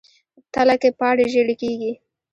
تله کې پاڼې ژیړي کیږي.